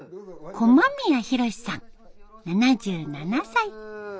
駒宮洋さん７７歳。